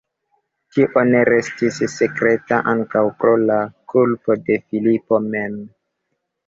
Tio ne restis sekreta ankaŭ pro la kulpo de Filipo mem.